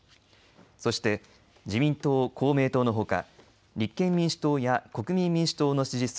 そして、自民党、公明党のほか立憲民主党や国民民主党の支持層